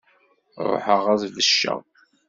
Ṛuḥeɣ ad d-becceɣ.